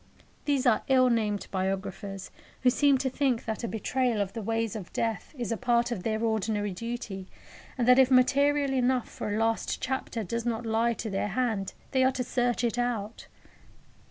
Those are ill named biographers who seem to think that a betrayal of the ways of death is a part of their ordinary duty, and that if material enough for a last chapter does not lie to their hand they are to search it out.